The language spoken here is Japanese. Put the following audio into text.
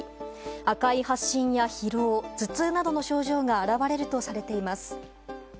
赤い発疹や疲労、頭痛などの症状が現れるとされています。